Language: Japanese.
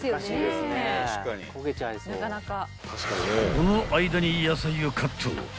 ［この間に野菜をカット］